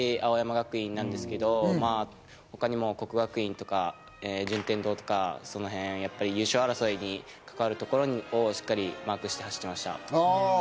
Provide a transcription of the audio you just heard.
一番マークしていたのは青山学院なんですけど、他にも國學院とか順天堂とか、そのへん優勝争いに関わるところに、しっかりマークして走っていました。